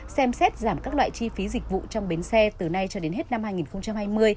xem xét giảm các loại chi phí dịch vụ trong bến xe từ nay cho đến hết năm hai nghìn hai mươi